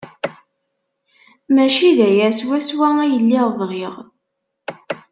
Maci d aya swaswa ay lliɣ bɣiɣ.